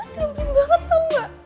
gampang banget tau gak